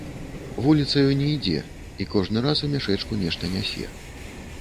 Вуліцаю не ідзе, і кожны раз у мяшэчку нешта нясе.